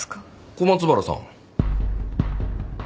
小松原さん。